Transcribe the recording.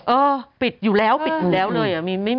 เออปิดอยู่แล้วปิดอยู่แล้วเลย